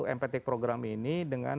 empathic program ini dengan